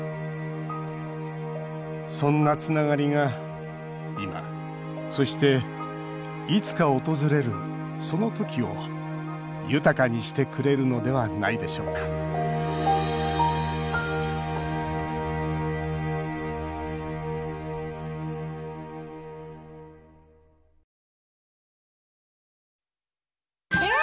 そんなつながりが今、そして、いつか訪れるその時を豊かにしてくれるのではないでしょうかうわ！